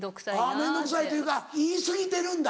面倒くさいというか言い過ぎてるんだ